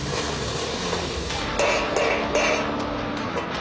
あ！